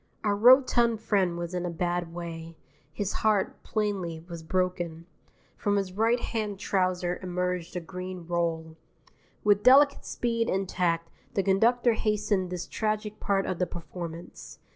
Our rotund friend was in a bad way. His heart, plainly, was broken. From his right hand trouser emerged a green roll. With delicate speed and tact the conductor hastened this tragic part of the performance.